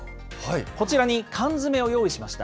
こちらに缶詰を用意しました。